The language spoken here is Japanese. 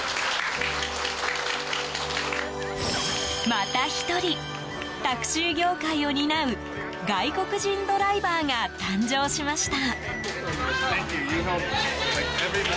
また１人タクシー業界を担う外国人ドライバーが誕生しました。